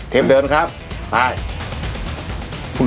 เดินครับไป